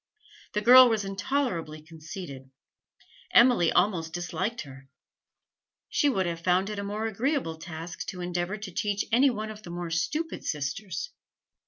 The girl was intolerably conceited. Emily almost disliked her; she would have found it a more agreeable task to endeavour to teach any one of the more stupid sisters.